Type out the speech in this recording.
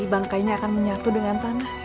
bangkainya akan menyatu dengan tanah